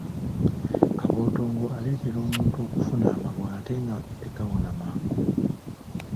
Kabootongo aleetera omuntu okufuna amabwa ate nga tegawona mangu.